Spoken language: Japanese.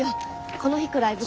この日くらい部活。